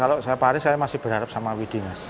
kalau saya paris saya masih berharap sama widhi mas